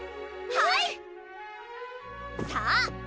はい！